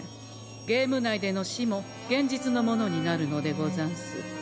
ゲーム内での死も現実のものになるのでござんす。